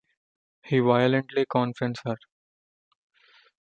He violently confronts her.